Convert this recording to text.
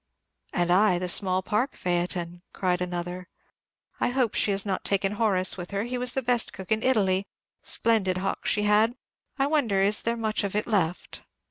"And I, the small park phaeton," cried another. "I hope she has not taken Horace with her; he was the best cook in Italy. Splendid hock she had, I wonder is there much of it left?"